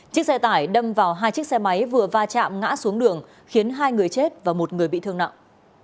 chiếc xe tải đâm vào hai chiếc xe máy vừa va chạm ngã xuống đường khiến hai người chết và một người bị thương nặng